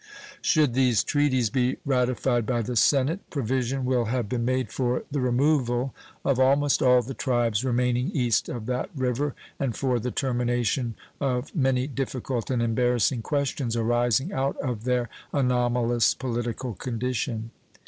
Should these treaties be ratified by the Senate, provision will have been made for the removal of almost all the tribes remaining E of that river and for the termination of many difficult and embarrassing questions arising out of their anomalous political condition.